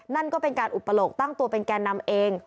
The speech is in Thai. นั่นก็เป็นการอุปโลกตั้งตัวเป็นแก่นำเอง